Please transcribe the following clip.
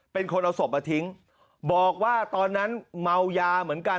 เป็นคนเอาศพมาทิ้งบอกว่าตอนนั้นเมายาเหมือนกัน